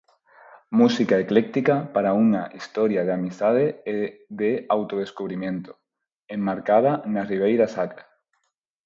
Música ecléctica para unha historia de amizade e de autodescubrimento enmarcada na Ribeira Sacra.